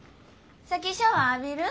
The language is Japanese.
先シャワー浴びる？